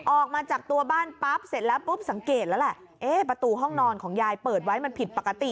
ออกมาจากตัวบ้านปั๊บเสร็จแล้วปุ๊บสังเกตแล้วแหละเอ๊ะประตูห้องนอนของยายเปิดไว้มันผิดปกติ